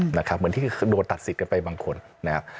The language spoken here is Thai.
เหมือนที่ก็ดูดตัดสิกกันไปบางคนนะครับ